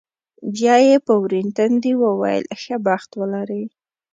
بیا یې په ورین تندي وویل، ښه بخت ولرې.